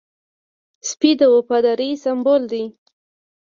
سپي د وفادارۍ سمبول دی.